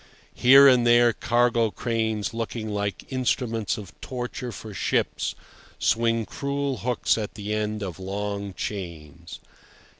Here and there cargo cranes looking like instruments of torture for ships swing cruel hooks at the end of long chains.